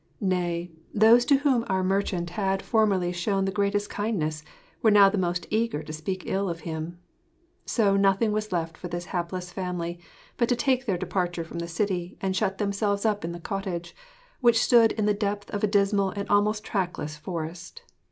Nay, those to whom our merchant had formerly shown the greatest kindness were now the most eager to speak ill of him. So nothing was left for this hapless family but to take their departure from the city and shut themselves up in the cottage, which stood in the depth of a dismal and almost trackless forest.